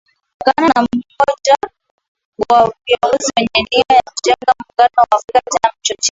Ghana na mmoja wa viongozi wenye nia ya kujenga Muungano wa Afrika tena mchochezi